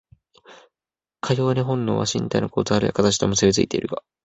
かように本能は身体の構造あるいは形と結び付いているが、